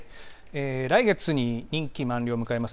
来月に任期満了を迎えます